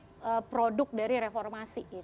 jadi itu adalah produk dari reformasi